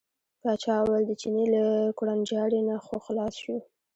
پاچا وویل د چیني له کوړنجاري نه خو خلاص شو.